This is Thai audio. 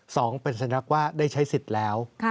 สองเป็นสัญลักษณ์ว่าได้ใช้สิทธิ์แล้ว